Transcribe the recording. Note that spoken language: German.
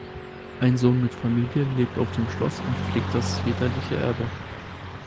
Ein Sohn mit Familie lebt auf dem Schloss und pflegt das väterliche Erbe.